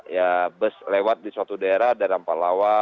ya bus lewat di suatu daerah ada